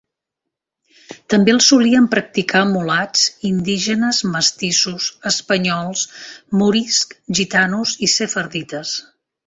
També el solien practicar mulats, indígenes, mestissos, espanyols, moriscs, gitanos i sefardites.